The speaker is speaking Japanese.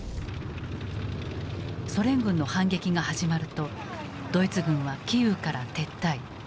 ソ連軍の反撃が始まるとドイツ軍はキーウから撤退。